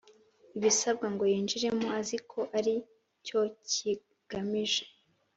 Ibisabwa ngo yinjiremo azi ko ari cyo bigamije